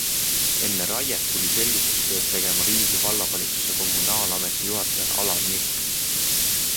Enne raiet tuli selgitustööd tegema Viimsi vallavalitsuse kommunaalameti juhataja Alar Mik.